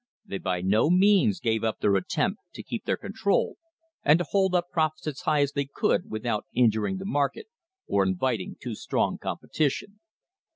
they by no means gave up their attempt to keep their con trol, and to hold up profits as high as they could without injuring the market or inviting too strong competition.